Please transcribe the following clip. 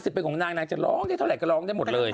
กสิทธิ์เป็นนางจะร้องได้เท่าไหร่กระร้องได้หมดเลย